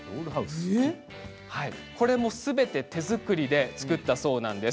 こちらもすべて手作りで作ったそうなんです。